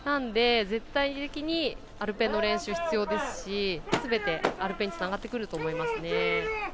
絶対的にアルペンの練習、必要ですしすべて、アルペンにつながってくると思います。